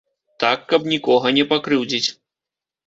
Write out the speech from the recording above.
Так, каб нікога не пакрыўдзіць.